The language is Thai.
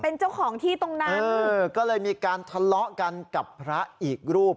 เป็นเจ้าของที่ตรงนั้นเออก็เลยมีการทะเลาะกันกับพระอีกรูป